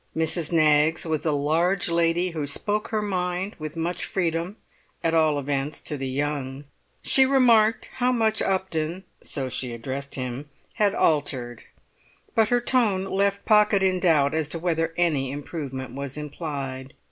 Mrs. Knaggs was a large lady who spoke her mind with much freedom, at all events to the young. She remarked how much Upton (so she addressed him) had altered; but her tone left Pocket in doubt as to whether any improvement was implied.